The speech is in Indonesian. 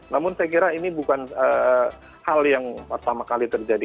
namun saya kira ini bukan hal yang pertama kali terjadi